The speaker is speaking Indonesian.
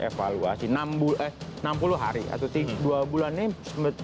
evaluasi enam puluh hari atau dua bulan ini